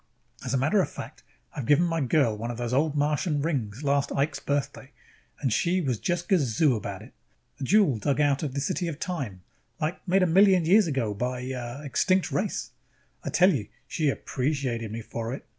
As a matter of fact, I have given my girl one of those Old Martian rings last Ike's Birthday and she was just gazoo about it. A jewel dug out of the City of Time, like, made a million years ago by a, uh, extinct race ... I tell you, she appreciated me for it!"